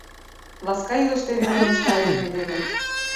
Ласка илыш теве мом ышта айдеме дене.